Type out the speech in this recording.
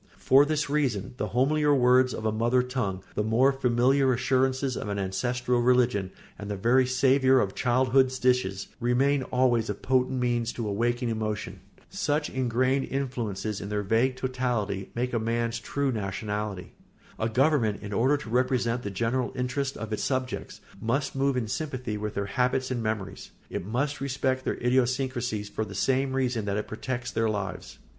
For this reason the homelier words of a mother tongue, the more familiar assurances of an ancestral religion, and the very savour of childhood's dishes, remain always a potent means to awaken emotion. Such ingrained influences, in their vague totality, make a man's true nationality. A government, in order to represent the general interests of its subjects, must move in sympathy with their habits and memories; it must respect their idiosyncrasy for the same reason that it protects their lives.